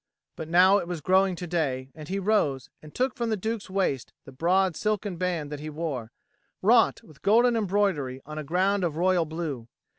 But now it was growing to day, and he rose, and took from the Duke's waist the broad silken band that he wore, wrought with golden embroidery on a ground of royal blue.